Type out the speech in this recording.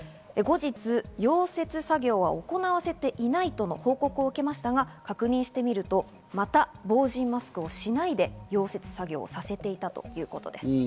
後日、溶接作業は行わせていないとの報告を受けましたが確認してみると、また防じんマスクをしないで溶接作業をさせていたということです。